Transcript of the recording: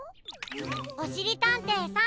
おしりたんていさん